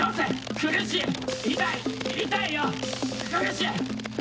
苦しい！